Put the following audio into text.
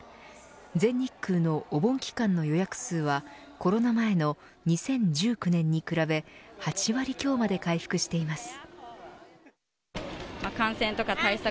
全日空のお盆期間の予約数はコロナ前の２０１９年に比べ８割強まで回復しています。